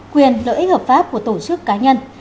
quyền lợi ích hợp pháp của tổ chức cá nhân